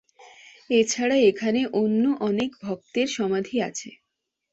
এছাড়া এখানে অন্য অনেক ভক্তের সমাধি আছে।